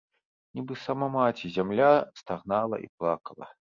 Нібы сама маці зямля стагнала і плакала.